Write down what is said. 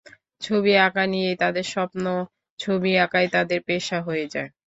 ছবি আঁঁকা নিয়েই তাঁদের স্বপ্ন, ছবি আঁঁকাই তাঁদের পেশা হয়ে যায়।